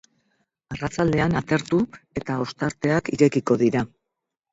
Arratsaldean atertu eta ostarteak irekiko dira.